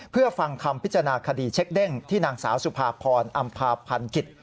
เพื่อฟังคำพิจารณาคดีเช็คเด้งที่นางสาวสุภาพรอำภาพันกิจ